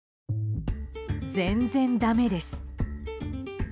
全然だめです。